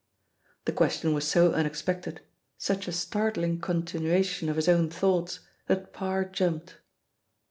The question was so unexpected, such a startling continuation of his own thoughts, that Parr jumped.